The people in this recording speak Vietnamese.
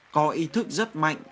có ý thức rất mạnh